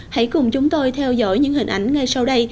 hãy cùng chúng tôi theo dõi những hình ảnh ngay sau đây